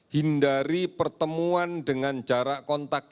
hindari pertemuan dengan jarak kontak